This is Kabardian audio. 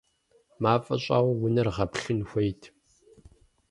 МафӀэ щӀауэ унэр гъэплъын хуейт.